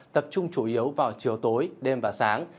tập trung chủ yếu vào chiều tối đêm và sáng